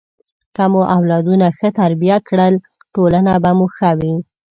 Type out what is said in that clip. که مو اولادونه ښه تربیه کړل، ټولنه به مو ښه وي.